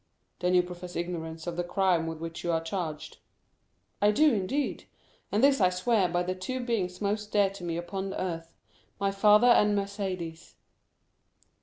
"Then you profess ignorance of the crime with which you are charged?" "I do, indeed; and this I swear by the two beings most dear to me upon earth,—my father and Mercédès."